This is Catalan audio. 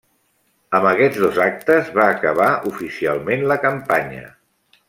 Amb aquests dos actes va acabar oficialment la campanya.